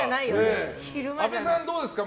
阿部さん、どうですか？